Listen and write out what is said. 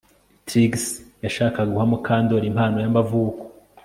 Trix yashakaga guha Mukandoli impano yamavuko